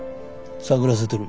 探らせてる。